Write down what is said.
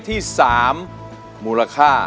น้องตาชอบให้แม่ร้องเพลง๒๐